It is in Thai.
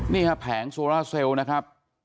นี่ฮะแผงโซล่าเซลล์นะครับ